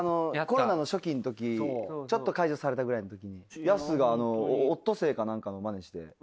コロナの初期のときちょっと解除されたぐらいのときにヤスがオットセイか何かのまねして。